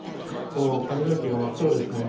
髪の毛が真っ黒ですね。